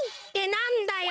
なんだよ！